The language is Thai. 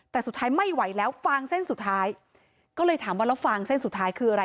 แต่สุดท้ายไม่ไหวแล้วฟางเส้นสุดท้ายก็เลยถามว่าแล้วฟางเส้นสุดท้ายคืออะไร